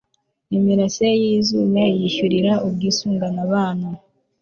imirasire y izuba yishyurira ubwisungane abana